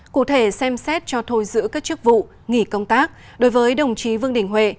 cụ thể xem xét cho thôi giữ các chức vụ nghỉ công tác đối với đồng chí vương đình huệ